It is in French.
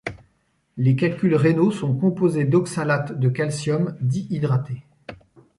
Les calculs rénaux sont composés d'oxalate de calcium dihydraté.